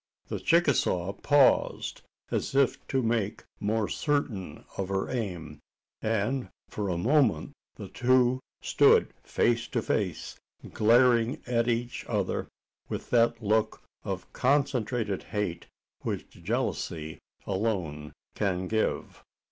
The Chicasaw paused, as if to make more certain of her aim; and for a moment the two stood face to face glaring at each other with that look of concentrated hate which jealousy alone can give.